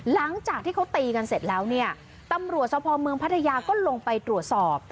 หลังจากที่เขาตีกันเสร็จแล้วเนี่ยตำรวจสภเมืองพัทยาก็ลงไปตรวจสอบ